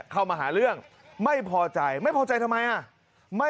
เข้ามาหาเรื่องไม่พอใจไม่พอใจทำไมอ่ะ